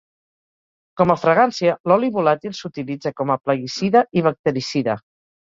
Com a fragància, l'oli volàtil s'utilitza com a plaguicida i bactericida.